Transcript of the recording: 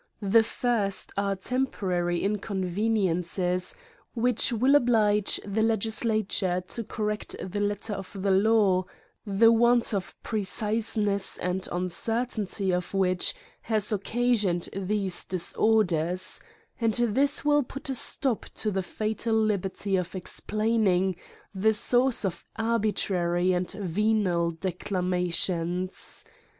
The first are temporary in conveniences which will oblige the legislature to correct the letter of the law, the want of precise ness and uncertainty of which has occasioned these disorders ; and this will put a stop to the fatal liberty of explaining, the source of arbitrary and venal declamations.